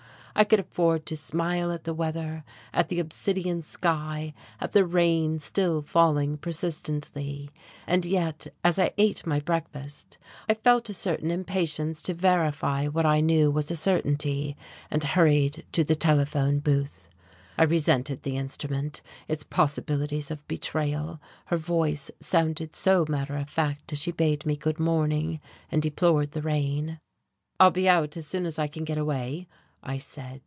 I could afford to smile at the weather, at the obsidian sky, at the rain still falling persistently; and yet, as I ate my breakfast, I felt a certain impatience to verify what I knew was a certainty, and hurried to the telephone booth. I resented the instrument, its possibilities of betrayal, her voice sounded so matter of fact as she bade me good morning and deplored the rain. "I'll be out as soon as I can get away," I said.